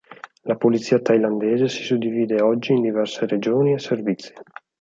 La polizia thailandese si suddivide oggi in diverse regioni e servizi.